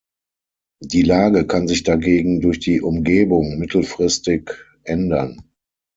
Die Lage kann sich dagegen durch die Umgebung mittelfristig ändern.